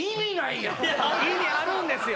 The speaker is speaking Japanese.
得あるんですよ